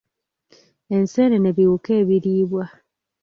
Enseenene biwuka ebiriibwa.